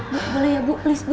bu boleh ya bu please bu